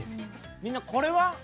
みんなこれは？